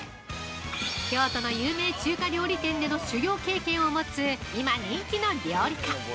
京都の有名中華料理店での修業経験を持つ今人気の料理家。